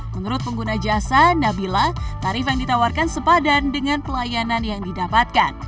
menurut pengguna jasa nabila tarif yang ditawarkan sepadan dengan pelayanan yang didapatkan